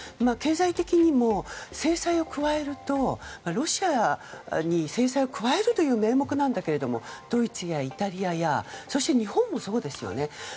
経済的にも、制裁を加えるとロシアに制裁を加えるという名目なんだけれどもドイツやイタリアやそして日本もそうですよね。